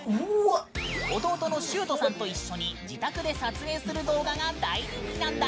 弟の、しゅーとさんと一緒に自宅で撮影する動画が大人気なんだ！